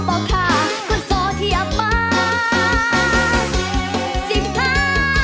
ขอบคุณนะเพื่อน